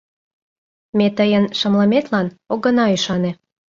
— Ме тыйын шымлыметлан огына ӱшане.